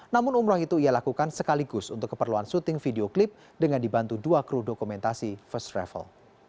namun umroh itu ia lakukan sekaligus untuk keperluan syuting video klip dengan dibantu dua kru dokumentasi first travel